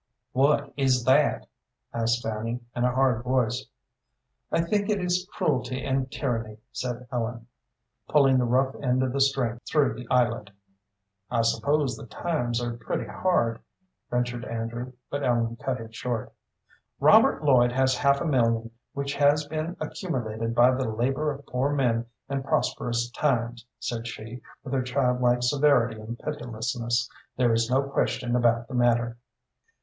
"What is that?" asked Fanny, in a hard voice. "I think it is cruelty and tyranny," said Ellen, pulling the rough end of the string through the eyelet. "I suppose the times are pretty hard," ventured Andrew; but Ellen cut him short. "Robert Lloyd has half a million, which has been accumulated by the labor of poor men in prosperous times," said she, with her childlike severity and pitilessness. "There is no question about the matter."